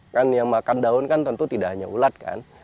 kan yang makan daun kan tentu tidak hanya ulat kan